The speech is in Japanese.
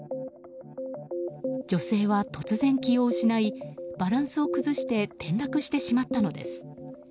女性は突然、気を失いバランスを崩して転落してしまったのです。